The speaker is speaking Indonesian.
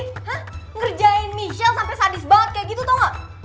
ngerjain michelle sampe sadis banget kayak gitu tau gak